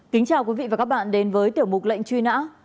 kính chào quý vị và các bạn đến với tiểu mục lệnh truy nã